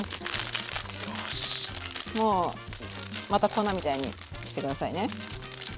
もうまた粉みたいにして下さいね。